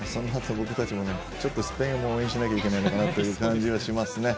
僕たちも、スペインを応援しなきゃいけないのかなという感じがしますね。